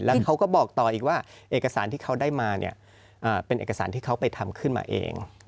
แล้วเขาก็บอกต่ออีกว่าเอกสารที่เขาได้มาเนี่ยเป็นเอกสารที่เขาไปทำขึ้นมาเอง